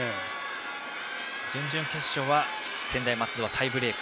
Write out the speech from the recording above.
準々決勝は専大松戸はタイブレーク。